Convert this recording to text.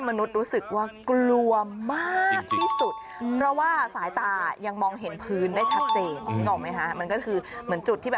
พูดกว่าแอ๊กนั่นแหละ